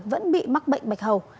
vẫn bị mắc bệnh bạch hầu